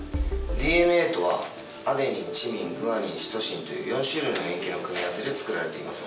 ＤＮＡとはアデニンチミングアニンシトシンという４種類の塩基の組み合わせで作られています。